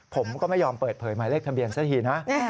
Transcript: ผมก็ไม่ยอมเปิดเผยหมายเลขทะเบียนซะทีนะ